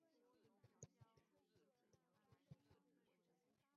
宋慈墓的历史年代为宋。